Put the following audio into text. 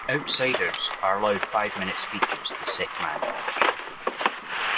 Outsiders are allowed five minute speeches, the sick man urged.